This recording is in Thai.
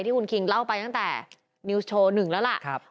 ที่คุณคิงเล่าไปตั้งแต่นิวส์โชว์หนึ่งแล้วล่ะ